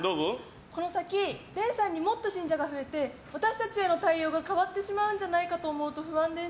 この先もっと信者が増えて私たちへの対応が変わってしまうんじゃないかと思うと不安です。